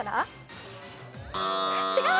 違う！